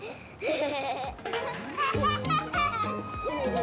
え？